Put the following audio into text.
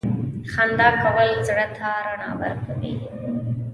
• خندا کول زړه ته رڼا ورکوي.